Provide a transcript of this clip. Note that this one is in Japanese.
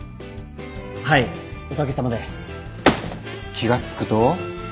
・気が付くと。